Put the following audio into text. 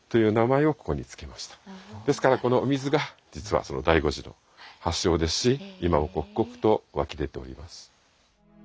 ですからこのお水が実は醍醐寺の発祥ですし今も刻々と湧き出ております。